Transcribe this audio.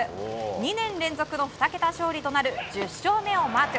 ２年連続の２桁勝利となる１０勝目をマーク。